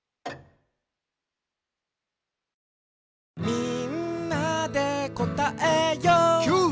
「みんなでこたえよう」キュー！